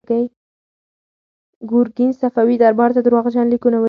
ګورګین صفوي دربار ته درواغجن لیکونه ولیکل.